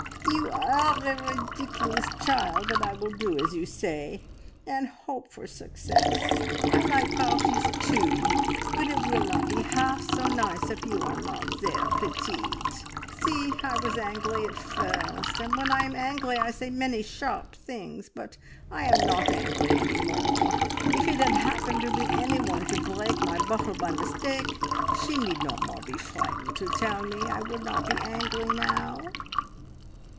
"You are a ridiculous child, but I will do as you say, and hope for success. I like parties too, but it will not be half so nice if you are not there, petite! See, I was angry at first, and when I am angry I say many sharp things, but I am not angry any more. If it had happened to anyone to break my bottle by mistake, she need no more be frightened to tell me. I would not be angry now!"